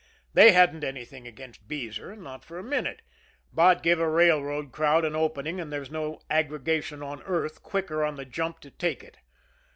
They hadn't anything against Beezer, not for a minute, but give a railroad crowd an opening, and there's no aggregation on earth quicker on the jump to take it.